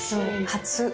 初。